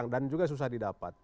dan juga susah didapat